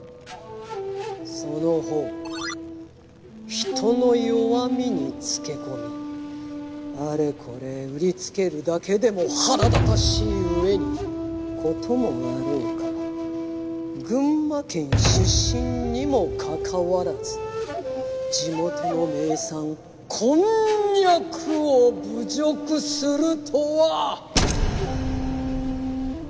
その方人の弱みにつけ込みあれこれ売りつけるだけでも腹立たしい上に事もあろうか群馬県出身にもかかわらず地元の名産こんにゃくを侮辱するとは！